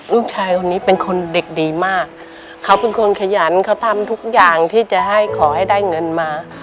ลูกชายคนนี้เป็นคนเด็กดีมากเขาเป็นคนขยันเขาทำทุกอย่างที่จะให้ขอให้ได้เงินมา